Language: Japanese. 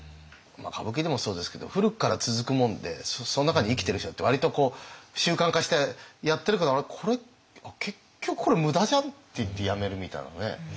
歌舞伎でもそうですけど古くから続くもんでその中に生きてる人って割と習慣化してやってるけど結局これ無駄じゃん？っていってやめるみたいなね。